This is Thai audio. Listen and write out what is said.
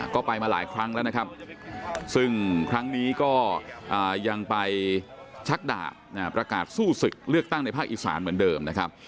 ก็ไปมาหลายครั้งแล้วนะครับซึ่งครั้งนี้ก็ยังไปชักดาบประกาศสู้ศึกเลือกตั้งในภาคอีสานเหมือนเดิมนะครับ